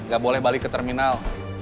gak boleh balik ke terminal